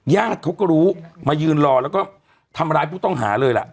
ญาติเขาก็รู้มายืนรอแล้วก็ทำร้ายผู้ต้องหาเลยล่ะ